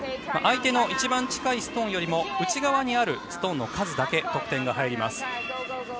相手の一番近いストーンよりも内側にあるストーンの数だけ得点が入ります。